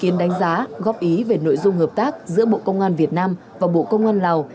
ý kiến đánh giá góp ý về nội dung hợp tác giữa bộ công an việt nam và bộ công an lào